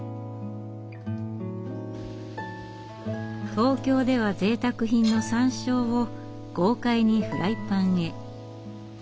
東京ではぜいたく品のサンショウを豪快にフライパンへ。